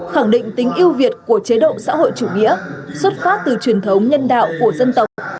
khẳng định tính yêu việt của chế độ xã hội chủ nghĩa xuất phát từ truyền thống nhân đạo của dân tộc